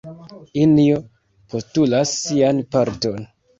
Injo postulas sian parton.